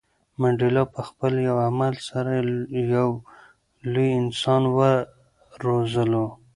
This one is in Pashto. منډېلا په خپل یو عمل سره یو لوی انسان وروزلو.